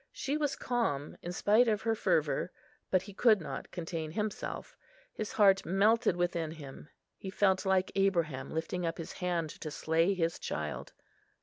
She was calm, in spite of her fervour; but he could not contain himself. His heart melted within him; he felt like Abraham, lifting up his hand to slay his child.